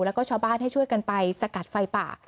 แล้วก็ชาวบ้านให้ช่วยกันไปสกัดไฟป่า